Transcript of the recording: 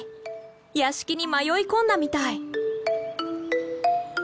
屋敷に迷い込んだみたい。